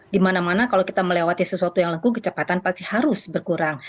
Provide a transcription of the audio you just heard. dimana mana kalau kita melewati sesuatu yang lengkung kecepatan pasti harus berkurang